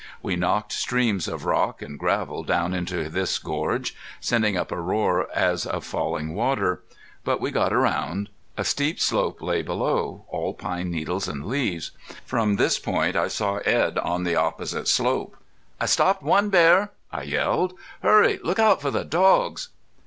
We knocked streams of rock and gravel down into this gorge, sending up a roar as of falling water. But we got around. A steep slope lay below, all pine needles and leaves. From this point I saw Edd on the opposite slope. "I stopped one bear," I yelled. "Hurry. Look out for the dogs!"